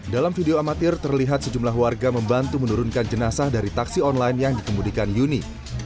dalam video amatir terlihat sejumlah warga membantu menurunkan jenazah dari taksi online yang dikemudikan yuni